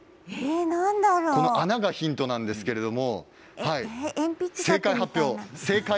穴がヒントなんですけども。